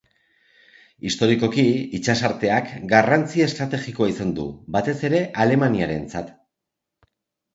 Historikoki, itsasarteak garrantzi estrategikoa izan du, batez ere Alemaniarentzat.